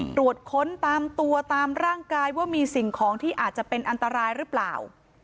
ตรวจค้นตามตัวตามร่างกายว่ามีสิ่งของที่อาจจะเป็นอันตรายหรือเปล่า